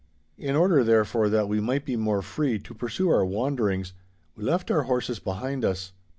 In order, therefore, that we might be more free to pursue our wanderings, we left our horses behind us.